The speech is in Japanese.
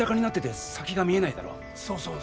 そうそう。